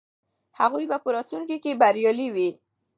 هغوی به په راتلونکي کې بریالي وي.